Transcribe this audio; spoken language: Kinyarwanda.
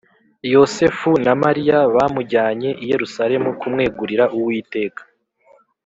, Yosefu na Mariya bamujyanye i Yerusalemu kumwegurira Uwiteka